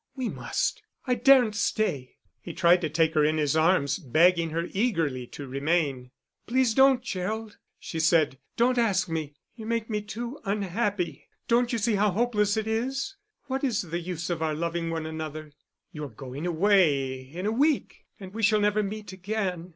"We must. I daren't stay." He tried to take her in his arms, begging her eagerly to remain. "Please don't, Gerald," she said. "Don't ask me, you make me too unhappy. Don't you see how hopeless it is? What is the use of our loving one another? You're going away in a week and we shall never meet again.